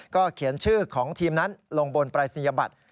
เขียนชื่อของทีมนั้นลงบนปรายศนียบัตร